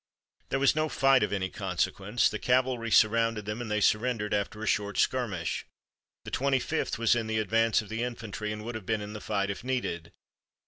"There was no fight of any consequence. The cavalry surrounded them and they surrendered after a short skirmish. The Twenty fifth was in the advance of the infantry and would have been in the fight, if needed.